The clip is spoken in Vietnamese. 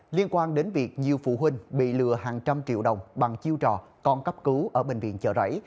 liên quan đến việc nhiều phụ huynh bị lừa hàng trăm triệu đồng bằng chiêu trò con cấp cứu ở bệnh viện chợ rẫy